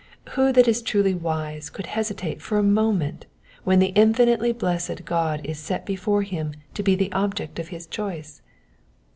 Who that is truly wise could hesitate for a moment when the infinitely blessed God is set before him to be the object of his choice